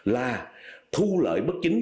là thu lợi bất chính